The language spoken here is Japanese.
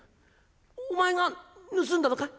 お前が盗んだのかい？